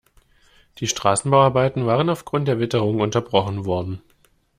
Die Straßenbauarbeiten waren aufgrund der Witterung unterbrochen worden.